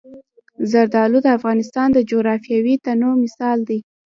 زردالو د افغانستان د جغرافیوي تنوع مثال دی.